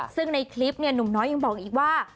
ซึ่งในคลิปหนุ่มน้อยยังบอกอีกว่า